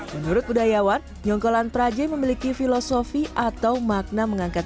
menurut budayawan nyonggolan prajai memiliki filosofi atau makna mengangkat